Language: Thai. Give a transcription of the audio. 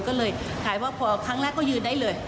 ก็เลยขายว่าพอครั้งแรกก็ยืนได้เลย